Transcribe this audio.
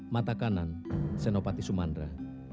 mata kanan senopati sumandra